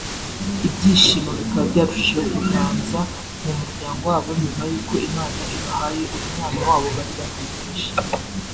ibyishimo bikaba byarushijeho kuganza mu muryango wabo nyuma y’uko Imana ibahaye uyu mwana wabo bari bategereje